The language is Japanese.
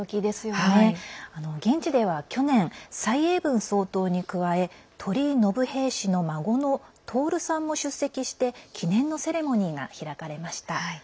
現地では去年蔡英文総統に加え鳥居信平氏の孫の徹さんも出席して記念のセレモニーが開かれました。